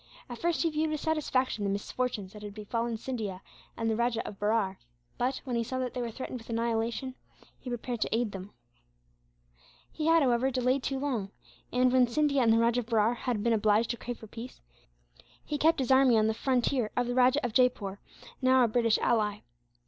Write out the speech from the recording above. At first he viewed with satisfaction the misfortunes that had befallen Scindia and the Rajah of Berar but, when he saw that they were threatened with annihilation, he prepared to aid them. He had, however, delayed too long and, when Scindia and the Rajah of Berar had been obliged to crave for peace, he kept his army on the frontier of the Rajah of Jaipore, now a British ally.